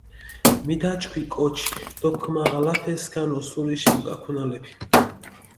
მიდაჩქვი კოჩი დო ქჷმაღალაფე სქანი ოსურიში მუკაქუნალეფი.